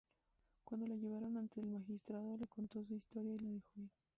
Cuando la llevaron ante el magistrado, le contó su historia y la dejó ir.